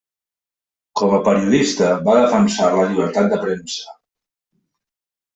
Com a periodista va defensar la llibertat de premsa.